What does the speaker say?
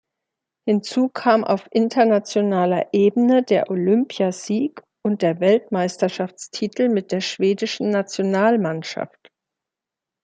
Hinzu kam auf internationaler Ebene der Olympiasieg und der Weltmeisterschaftstitel mit der schwedischen Nationalmannschaft.